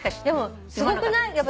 でもすごくない？